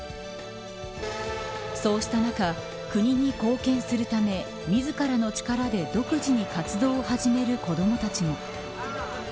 そうした中、国に貢献するため自らの力で独自に活動を始める子どもたちも。